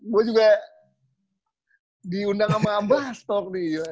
gue juga diundang sama abastok nih